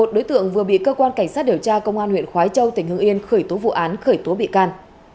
một đối tượng vừa bị cơ quan cảnh sát điều tra công an huyện khói châu tỉnh hưng yên khởi tố vụ án khởi tố bị can